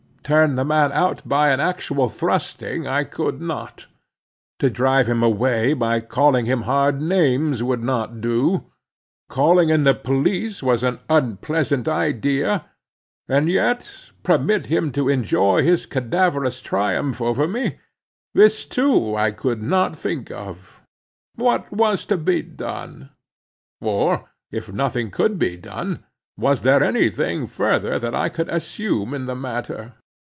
Turn the man out by an actual thrusting I could not; to drive him away by calling him hard names would not do; calling in the police was an unpleasant idea; and yet, permit him to enjoy his cadaverous triumph over me,—this too I could not think of. What was to be done? or, if nothing could be done, was there any thing further that I could assume in the matter?